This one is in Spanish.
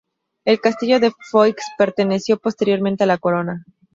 El castillo de Foix perteneció posteriormente a la corona.